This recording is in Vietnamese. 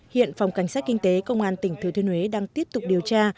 hiện phòng cảnh sát kinh tế công an tỉnh thừa thiên huế đang tiếp tục điều tra